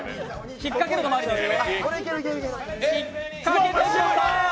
引っかけるのもありです。